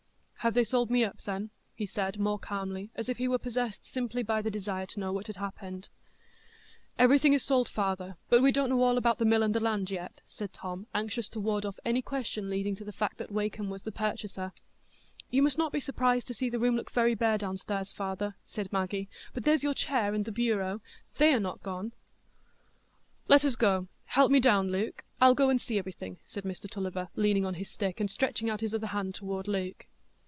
"Have they sold me up, then?" he said more calmly, as if he were possessed simply by the desire to know what had happened. "Everything is sold, father; but we don't know all about the mill and the land yet," said Tom, anxious to ward off any question leading to the fact that Wakem was the purchaser. "You must not be surprised to see the room look very bare downstairs, father," said Maggie; "but there's your chair and the bureau; they're not gone." "Let us go; help me down, Luke,—I'll go and see everything," said Mr Tulliver, leaning on his stick, and stretching out his other hand toward Luke.